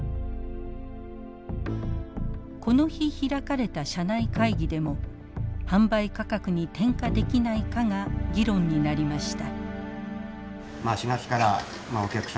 この日開かれた社内会議でも販売価格に転嫁できないかが議論になりました。